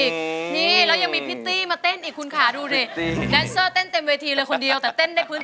ไก่ต๊อกไก่ต๊อกเคี่ยวกัน